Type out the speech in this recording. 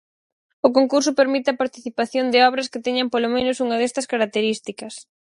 O concurso permite a participación de obras que teñan polo menos unha destas características.